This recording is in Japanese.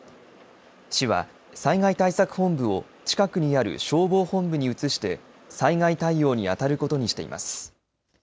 市は、災害対策本部を近くにある消防本部に移して災害対応に当たることにしています。